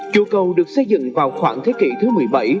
chùa cầu được xây dựng vào khoảng thế kỷ thứ một mươi bảy